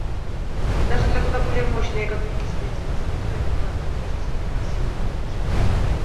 Даже для куда более мощной экономики Советского Союза это была практически непосильная ноша.